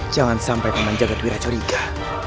jangan sampai kau menjaga dwi rajariga